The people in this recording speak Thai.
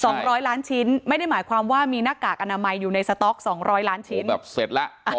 สองร้อยล้านชิ้นไม่ได้หมายความว่ามีหน้ากากอนามัยอยู่ในสต๊อกสองร้อยล้านชิ้นแบบเสร็จแล้วอ่ะ